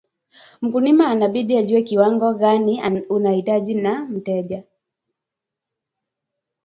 Mkulima anabidi ajue kiwango gani uhitajika na mteja